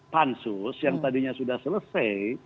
pansus yang tadinya sudah selesai